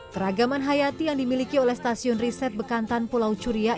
keragaman hayati yang dimiliki oleh stasiun riset bekantan pulau curiak